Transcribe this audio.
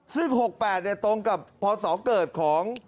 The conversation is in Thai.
ซึ่ง๖๘ตรงกับพศเกิดของ